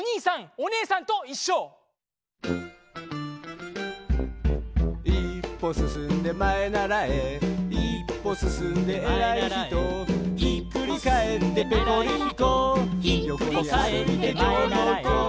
「いっぽすすんでまえならえ」「いっぽすすんでえらいひと」「ひっくりかえってぺこりんこ」「よこにあるいてきょろきょろ」